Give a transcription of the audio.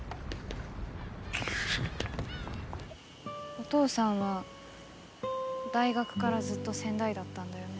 お父さんは大学からずっと仙台だったんだよね？